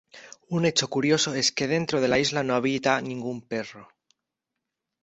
Un hecho curioso es que dentro de la isla no habita ningún perro.